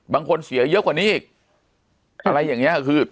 เสียเยอะกว่านี้อีกอะไรอย่างเงี้ยคือ